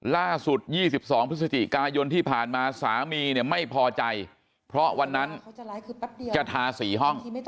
ล่าสุด๒๒พฤศจิกายนที่ผ่านมาสามีเนี่ยไม่พอใจเพราะวันนั้นจะทา๔ห้อง